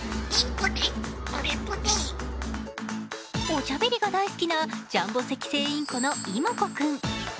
おしゃべりが大好きなジャンボセキセイインコの妹子君。